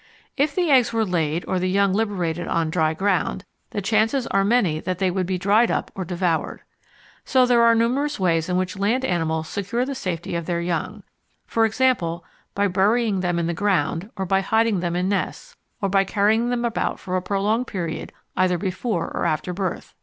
If the eggs were laid or the young liberated on dry ground, the chances are many that they would be dried up or devoured. So there are numerous ways in which land animals secure the safety of their young, e.g. by burying them in the ground, or by hiding them in nests, or by carrying them about for a prolonged period either before or after birth.